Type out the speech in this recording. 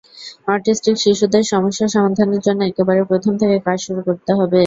Autistic শিশুদের সমস্যা সমাধানের জন্য একেবারে প্রথম থেকে কাজ শুরু করতে হবে।